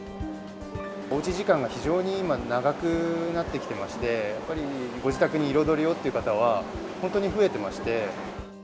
おうち時間が非常に今、長くなってきていまして、やっぱりご自宅に彩りをって方は、本当に増えてまして。